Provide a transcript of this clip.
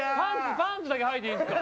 パンツだけはいていいですか？